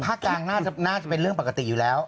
ภาคกลางน่าจะเป็นเรื่องปกติอยู่แล้ว